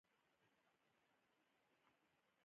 دا د اودس روښانه فرض دی